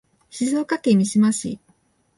静岡県三島市